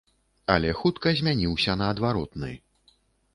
Але хутка змяніўся на адваротны.